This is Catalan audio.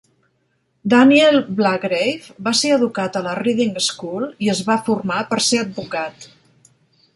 Daniel Blagrave va ser educat a la Reading School i es va formar per ser advocat.